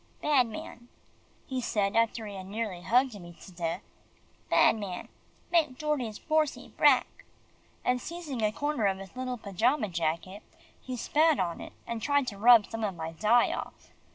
"Bad man," he said after he had nearly hugged me to death, "bad man make Dordie's Borsie brack!" and seizing a corner of his little pajama jacket, he spat on it, and tried to rub some of my dye off.